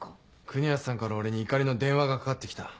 国安さんから俺に怒りの電話がかかって来た。